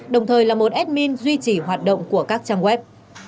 đồng thời là một admin duy trì hoạt động của các trang web